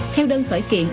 theo đơn khởi kiện